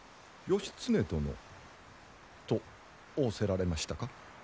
義経殿と仰せられましたか？